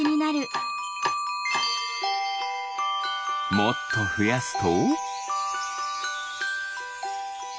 もっとふやすと。